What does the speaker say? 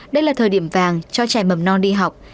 đây là thời điểm vàng cho trẻ mầm non đi học